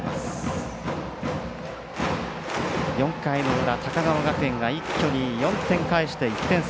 ４回の裏、高川学園が一挙に４点返して１点差。